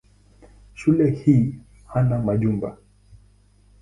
Shule hii hana majumba.